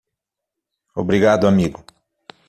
Obrigado amigo